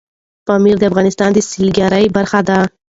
پامیر د افغانستان د سیلګرۍ برخه ده.